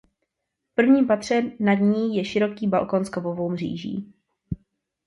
V prvním patře nad ní je široký balkon s kovovou mříží.